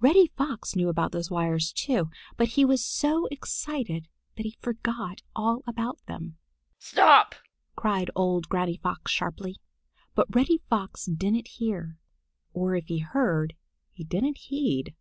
Reddy Fox knew about those wires, too, but he was so excited that he forgot all about them. "Stop!" cried old Granny Fox sharply. But Reddy Fox didn't hear, or if he heard he didn't heed.